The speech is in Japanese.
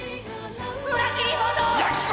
裏切り者！